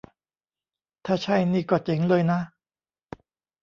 ถ้าใช่นี่ก็เจ๋งเลยนะ